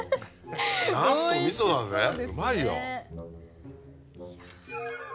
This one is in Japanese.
なすと味噌だぜうまいよ。